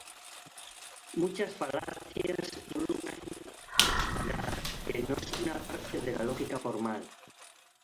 Muchas falacias involucran causalidad, que no es una parte de la lógica formal.